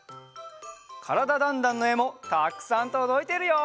「からだ★ダンダン」のえもたくさんとどいてるよ！